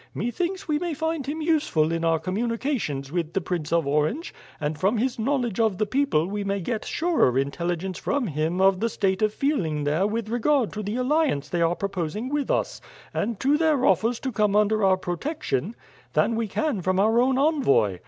Methinks we may find him useful in our communications with the Prince of Orange; and from his knowledge of the people we may get surer intelligence from him of the state of feeling there with regard to the alliance they are proposing with us, and to their offers to come under our protection, than we can from our own envoy.